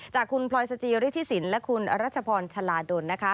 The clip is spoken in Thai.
จากคุณพลอยสจิฤทธิสินและคุณอรัชพรชาลาดลนะคะ